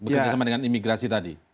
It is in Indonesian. bekerja sama dengan imigrasi tadi